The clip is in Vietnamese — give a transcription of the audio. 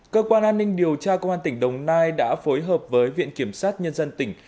cơ quan an ninh điều tra công an tỉnh đồng nai đã phối hợp với viện kiểm sát nhân dân tỉnh